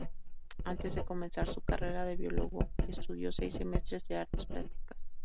Antes de comenzar su carrera de bióloga, estudió seis semestres de Artes Plásticas.